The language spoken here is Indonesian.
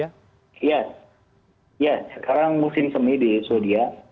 ya sekarang musim semi di sweden